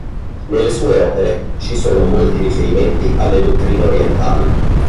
Nelle sue opere ci sono molti riferimenti alle dottrine orientali.